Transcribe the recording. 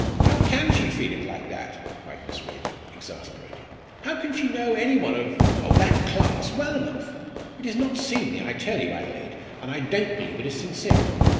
"How can she feel it like that?" cried Miss Raeburn, exasperated. "How can she know any one of of that class well enough? It is not seemly, I tell you, Adelaide, and I don't believe it is sincere.